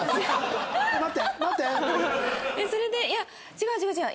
それでいや違う違う違う。